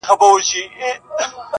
او که ولاړم تر قیامت پوري مي تله دي--!